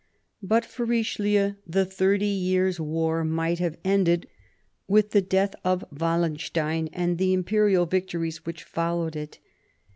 But for Richelieu, the Thirty Years' War might have ended with the death of Wallenstein and the imperial victories which followed it.